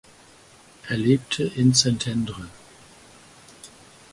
Er lebte in Szentendre.